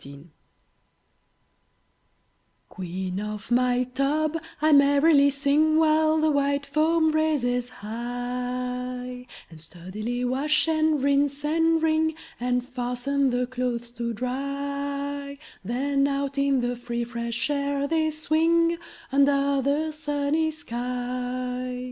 8 Autoplay Queen of my tub, I merrily sing, While the white foam raises high, And sturdily wash, and rinse, and wring, And fasten the clothes to dry; Then out in the free fresh air they swing, Under the sunny sky.